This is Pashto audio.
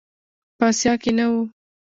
په آسیا کې نه و.